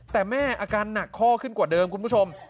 แต่แม่อาการหนักข้อขึ้นกว่าเดิมคุณผู้ชม